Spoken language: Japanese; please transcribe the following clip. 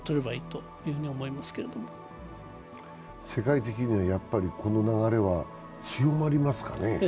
世界的にこの流れは強まりますかね。